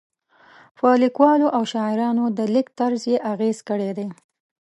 په لیکوالو او شاعرانو د لیک طرز یې اغېز کړی دی.